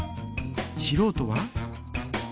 しろうとは？